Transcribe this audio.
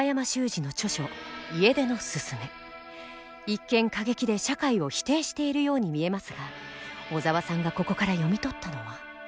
一見過激で社会を否定しているように見えますが小沢さんがここから読み取ったのは。